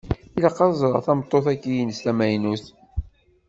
Ilaq ad ẓreɣ tameṭṭut-agi-ines tamaynut.